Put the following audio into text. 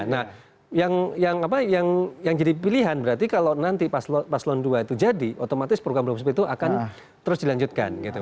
nah yang jadi pilihan berarti kalau nanti paslon dua itu jadi otomatis program program seperti itu akan terus dilanjutkan gitu